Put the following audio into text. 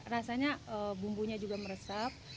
rasanya bumbunya juga meresap